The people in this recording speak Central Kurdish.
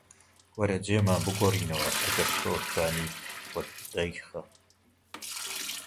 وەرە جێمان بگۆڕینەوە، ئەگەر تۆ توانیت خۆت دایخە